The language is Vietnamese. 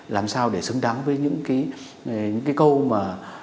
làm sao để xứng đáng với những cái câu mà